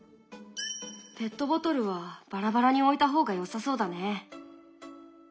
ペットボトルはバラバラに置いた方がよさそうだね。